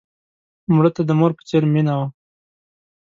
مړه ته د مور په څېر مینه وه